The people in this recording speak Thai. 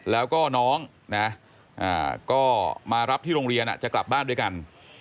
แล้วก็น้องนะก็มารับที่โรงเรียนจะกลับบ้านด้วยกัน